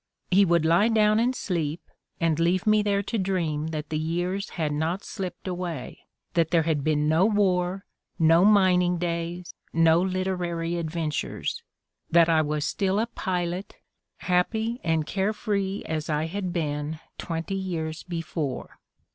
He would lie down and sleep, and leave me there to dream that the years had not slipped away; that there had been no war, no mining days, no literary adventures; that I was still a pilot, happy and care free as I had been twenty years before."